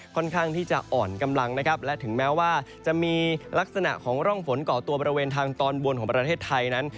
ค่อนข้างที่จะอ่อนกำลังนะครับและถึงแม้ว่าจะมีลักษณะของร่องฝนก่อตัวบริเวณทางตอนบนของประเทศไทยนั้น